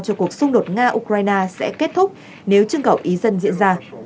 cho cuộc xung đột nga ukraine sẽ kết thúc nếu trưng cầu ý dân diễn ra